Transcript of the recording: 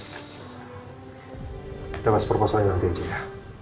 kita bahas proposalnya nanti aja ya